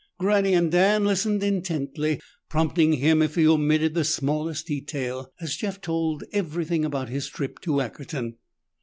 Granny and Dan listened intently, prompting him if he omitted the smallest detail, as Jeff told everything about his trip to Ackerton.